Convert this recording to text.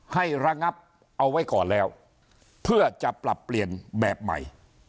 ระงับเอาไว้ก่อนแล้วเพื่อจะปรับเปลี่ยนแบบใหม่